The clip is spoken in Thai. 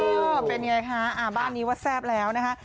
เออเป็นไงคะบ้านนี้ว่าแซ่บแล้วนะคะ